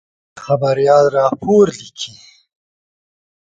خبریال راپور لیکي.